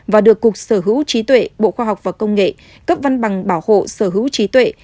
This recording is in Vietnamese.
và được cục sở hữu trí tuệ bộ khoa học và công nghệ cấp văn bằng bảo hộ sở hữu trí tuệ